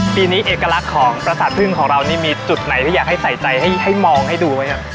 ปีนี้เอกลักษณ์ของประสาทพึ่งของเรานี่มีจุดไหนที่อยากให้ใส่ใจให้มองให้ดูไหมครับ